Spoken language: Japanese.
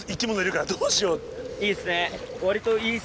いいですね！